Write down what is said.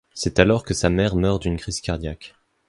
C’est alors que sa mère meurt d’une crise cardiaque.